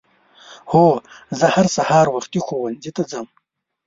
هو زه هر سهار وختي ښؤونځي ته ځم.